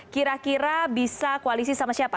kira kira bisa koalisi sama siapa